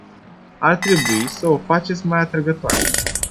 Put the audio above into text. Ar trebui să o faceți mai atrăgătoare.